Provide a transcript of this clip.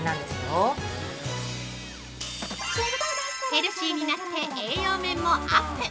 ◆ヘルシーになって栄養面もアップ。